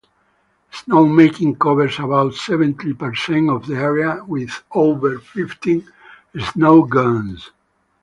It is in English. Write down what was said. Snowmaking covers about seventy percent of the area with over fifteen snowguns.